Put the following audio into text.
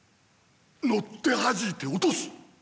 乗ってはじいて落とす！